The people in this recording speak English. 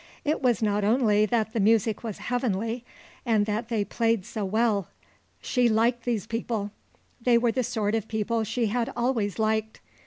It was not only that the music was heavenly and that they played so well. She liked these people; they were the sort of people she had always liked.